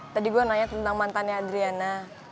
tadi gue nanya tentang mantannya adriana